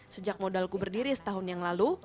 sejak modalku berdiri setahun yang lalu